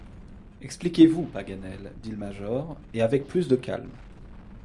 Expliquez-vous, Paganel, dit le major, et avec plus de calme.